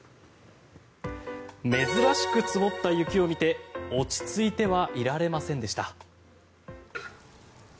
珍しく積もった雪を見て落ち着いてはいられませんでした。